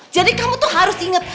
kamu tuh harus inget